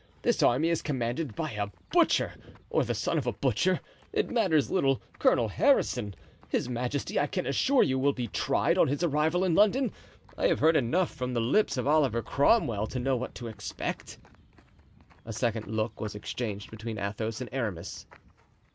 This army is commanded by a butcher, or the son of a butcher—it matters little—Colonel Harrison. His majesty, I can assure you, will be tried on his arrival in London; I have heard enough from the lips of Oliver Cromwell to know what to expect." A second look was exchanged between Athos and Aramis.